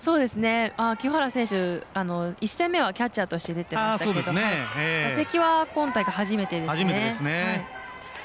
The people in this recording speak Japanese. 清原選手、１戦目はキャッチャーとして出ていましたけれども打席は今大会、初めてですね。